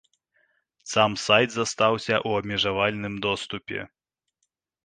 Сам сайт застаўся ў абмежавальным доступе.